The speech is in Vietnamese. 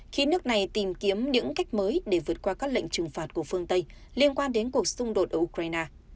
khi nước này tìm kiếm những cách mới để vượt qua các lệnh trừng phạt của phương tây liên quan đến cuộc xung đột ở ukraine